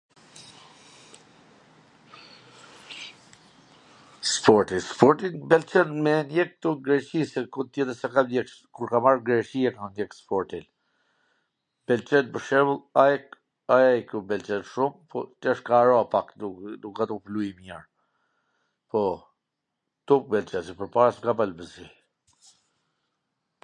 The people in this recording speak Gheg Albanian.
Sporti, sporti m pelqen me e n-jek ktu n Greqi, se kund tjetwr nga ta ndjeksh, kur kam ardh n Greqi e kam ndjek sportin, pelqen pwr shwmbull AEK, AEKu m pelqen shum, tash ka ra pak, nuk a tu luj mir, po, ktu m pwlqen, se mw pwrpara s mw ka pas pwlqy.